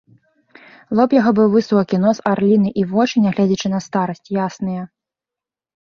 Лоб яго быў высокі, нос арліны і вочы, нягледзячы на старасць, ясныя.